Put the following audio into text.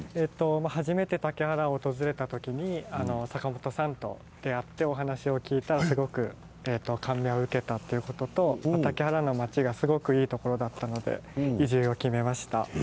初めて竹原に訪れた時に坂元さんと出会ってお話を聞いたら感銘を受けたということとこの竹原の地が本当にいいところだったので移住を決めました。